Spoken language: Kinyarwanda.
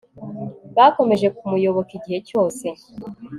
bakomeje kumuyoboka igihe cyose